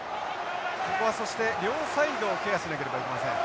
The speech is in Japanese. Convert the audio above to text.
ここはそして両サイドをケアしなければいけません。